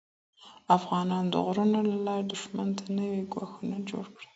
افغانانو د غرونو له لارې دښمن ته نوي ګواښونه جوړ کړل.